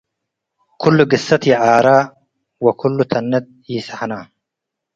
ክሉ ግሰት ይዓረ - ወክሉ ተነት ኢሰሐነ